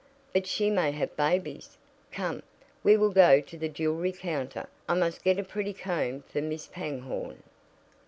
"But she may have babies. Come, we will go to the jewelry counter. I must get a pretty comb for Mrs. Pangborn."